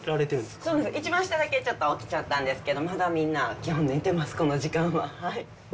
そうです、一番下だけちょっと起きちゃったんですけど、まだみんな、基本寝てます、この時間は。